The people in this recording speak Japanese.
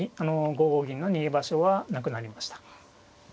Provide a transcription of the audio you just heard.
５五銀の逃げ場所はなくなりました。